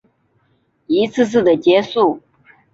一次次的结束